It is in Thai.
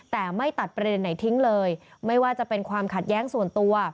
แต่ไม่ตัดประเด็นไหนทิ้งเลยไม่ว่าจะเป็นความขัดแย้งส่วนตัว